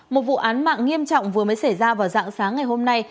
một vụ án mạng nghiêm trọng vừa mới xảy ra vào dạng sáng ngày hôm nay